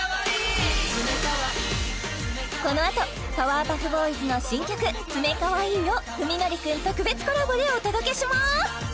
このあとパワーパフボーイズの新曲「ツメカワイイ」を史記君特別コラボでお届けします